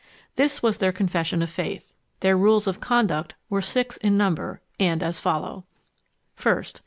This was their confession of faith. Their rules of conduct were six in number, and as follow: First.